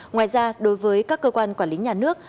ngoài ra đối với các cơ quan quản lý nhà nước